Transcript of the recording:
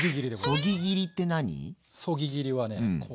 そぎ切りはねこう。